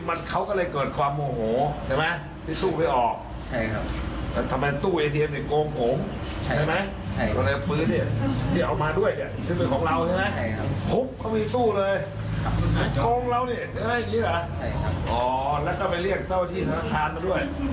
แล้วก็ไปเรียกเจ้าที่นละครมาด้วย